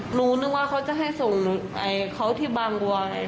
หนูนึกว่าเขาจะให้ส่งเขาที่บางบัว